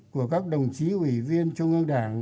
của các đồng chí ủy viên trung ương đảng